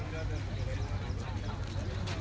สวัสดีครับคุณผู้ชาย